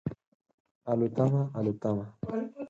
الوتمه، الوتمه